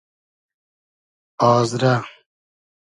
آزرۂ